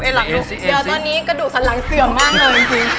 เดี๋ยวตอนนี้กระดูกสันหลังเสื่อมมากเลยจริง